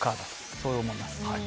そう思います。